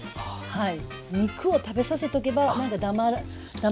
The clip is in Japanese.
はい。